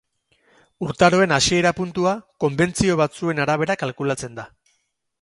Urtaroen hasiera puntua konbentzio batzuen arabera kalkulatzen da.